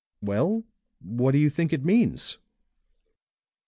"Well, what do you think it means?"